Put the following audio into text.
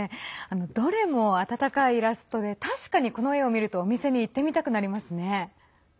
どれも温かいイラストで確かに、この絵を見るとお店に行ってみたくなりますね。